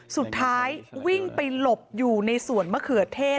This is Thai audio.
สุดท้ายวิ่งไปหลบอยู่ในสวนมะเขือเทศ